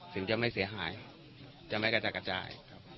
สิ่งจะไม่เสียหายจะไม่กระจ่าย